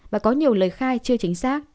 và có nhiều lời khai chưa chính xác